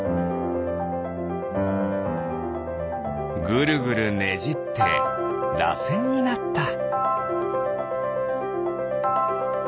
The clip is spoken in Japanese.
ぐるぐるねじってらせんになった。